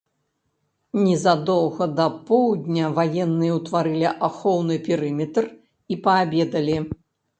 Незадоўга да поўдня ваенныя ўтварылі ахоўны перыметр і паабедалі.